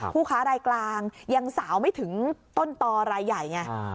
ผู้ค้าไร่กลางยังสาวไม่ถึงต้นตอไร่ใหญ่